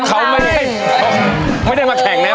สวัสดีครับ